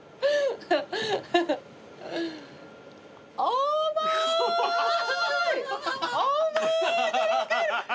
甘い！